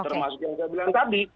termasuk yang saya bilang tadi